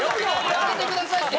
やめてくださいって！